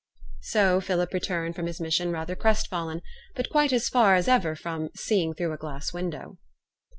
So Philip returned from his mission rather crestfallen, but quite as far as ever from 'seeing through a glass window.'